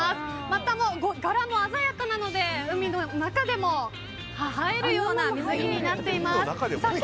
また柄も鮮やかなので海の中でも映えるような水着になっています。